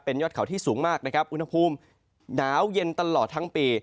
ยอดเขาที่สูงมากนะครับอุณหภูมิหนาวเย็นตลอดทั้งปี